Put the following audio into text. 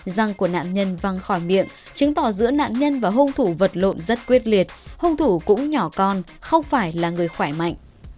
răng của nạn nhân văng khỏi miệng chứng tỏ giữa nạn nhân và hung thủ vật lộn rất quyết liệt hung thủ cũng nhỏ con không phải là người khỏe mạnh